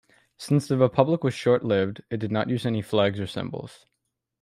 Since the Republic was short-lived, it did not use any flags or symbols.